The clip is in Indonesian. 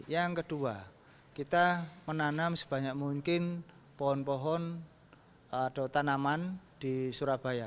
yang kedua kita menanam sebanyak mungkin pohon pohon atau tanaman di surabaya